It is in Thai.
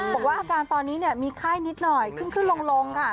บอกว่าอาการตอนนี้มีไข้นิดหน่อยขึ้นลงค่ะ